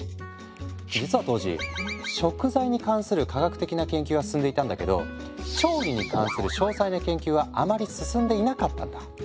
実は当時「食材」に関する科学的な研究は進んでいたんだけど「調理」に関する詳細な研究はあまり進んでいなかったんだ。